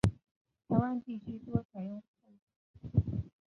台湾地区多采用后者。